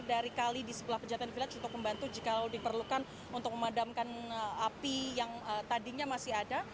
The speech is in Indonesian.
dari kali di sebelah pejaten village untuk membantu jika diperlukan untuk memadamkan api yang tadinya masih ada